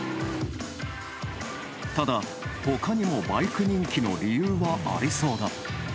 ただ、ほかにもバイク人気の理由はありそうだ。